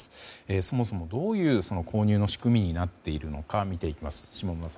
そもそもどういう購入の仕組みになっているのか見ていきます。